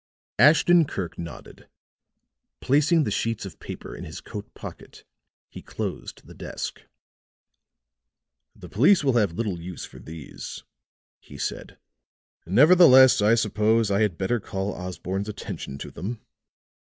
Ashton Kirk nodded; placing the sheets of paper in his coat pocket he closed the desk. "The police will have little use for these," he said. "Nevertheless, I suppose I had better call Osborne's attention to them."